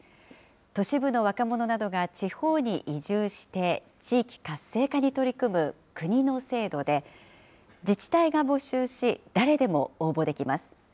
都市部の若者などが地方に移住して、地域活性化に取り組む国の制度で、自治体が募集し、誰でも応募できます。